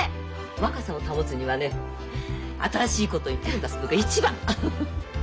若さを保つにはね新しいことに手を出すのが一番！